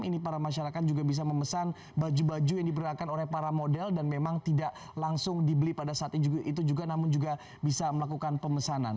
ini para masyarakat juga bisa memesan baju baju yang diberikan oleh para model dan memang tidak langsung dibeli pada saat itu juga namun juga bisa melakukan pemesanan